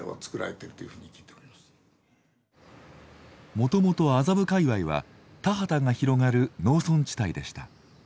もともと麻布界隈は田畑が広がる農村地帯でした。